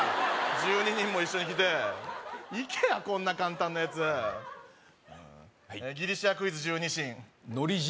１２人も一緒に来ていけやこんな簡単なやつはいギリシアクイズ１２神海苔汁？